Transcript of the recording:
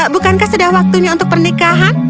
bukankah sudah waktunya untuk pernikahan